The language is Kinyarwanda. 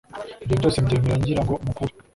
ibyo byose mbyemera ngira ngo mukure,